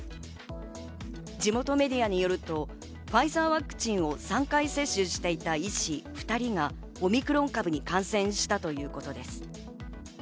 地元メディアによると、ファイザーワクチンを３回接種していた医師２人がオミクロン株に感染したということです。